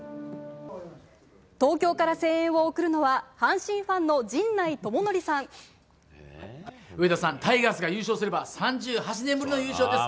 東京から声援を送るのは、上田さん、タイガースが優勝すれば、３８年ぶりの優勝です。